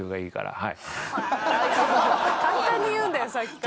簡単に言うんだよさっきから。